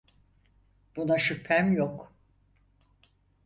Buna şüphem yok.